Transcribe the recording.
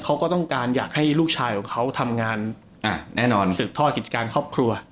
เขาก็ต้องการอยากให้ลูกชายของเขาทำงานแน่นอนสืบทอดกิจการครอบครัว